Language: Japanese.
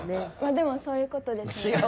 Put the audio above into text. まあでもそういう事ですね。